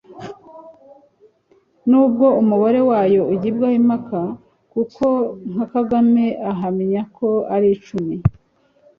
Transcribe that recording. n'ubwo umubare wayo ugibwaho impaka, kuko nka kagame ahamya ko ari icumi